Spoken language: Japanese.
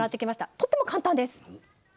とっても簡単です。